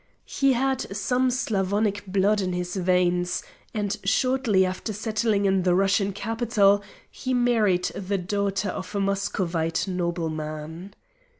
He had some Slavonic blood in his veins, and shortly after settling in the Russian capital he married the daughter of a Muscovite nobleman.